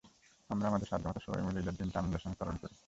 আমরা আমাদের সাধ্যমতো সবাই মিলে ঈদের দিনটা আনন্দের সঙ্গে পালন করি।